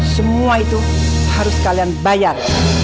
semua itu harus kalian bayar